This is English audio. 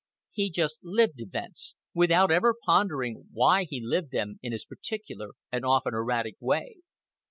He just lived events, without ever pondering why he lived them in his particular and often erratic way.